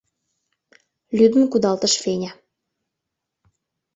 — лӱдын кудалтыш Феня.